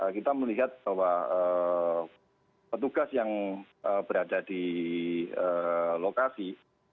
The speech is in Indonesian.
kita melihat bahwa petugas yang berada di lokasi